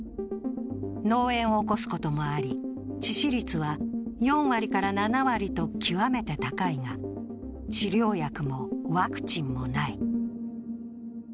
脳炎を起こすこともあり、致死率は４割から７割と極めて高いが治療薬もワクチンもない。